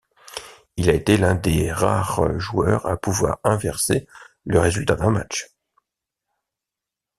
Il a été l'un des rares joueurs à pouvoir inverser le résultat d'un match.